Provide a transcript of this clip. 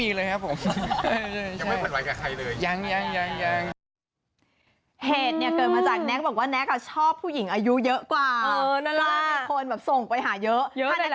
ทีที่เสนอมามีใครเข้าตาเราบ้างไหมครับ